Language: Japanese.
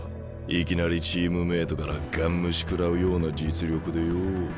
いきなりチームメートからガン無視食らうような実力でよぉ。